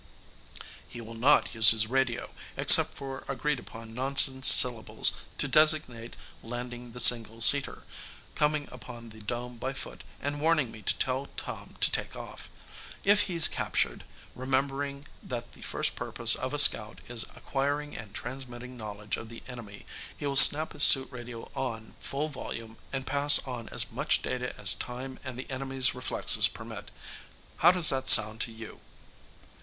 "He will not use his radio, except for agreed upon nonsense syllables to designate landing the single seater, coming upon the dome by foot, and warning me to tell Tom to take off. If he's captured, remembering that the first purpose of a scout is acquiring and transmitting knowledge of the enemy, he will snap his suit radio on full volume and pass on as much data as time and the enemy's reflexes permit. How does that sound to you?"